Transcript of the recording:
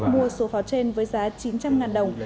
mua số pháo trên với giá chín trăm linh đồng